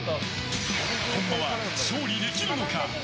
本間は勝利できるのか？